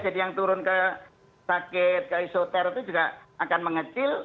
jadi yang turun ke sakit ke esoter itu juga akan mengecil